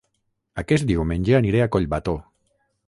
Aquest diumenge aniré a Collbató